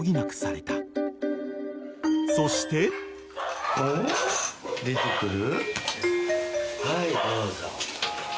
［そして］出てくる？